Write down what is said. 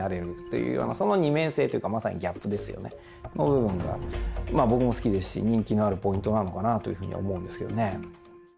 部分がまあ僕も好きですし人気のあるポイントなのかなというふうには思うんですけどね。